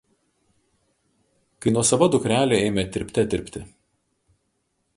kai nuosava dukrelė ėmė tirpte tirpti